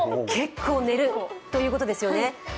結構寝るということですよね。